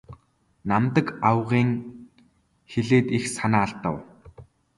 Намдаг авга ийн хэлээд их санаа алдав.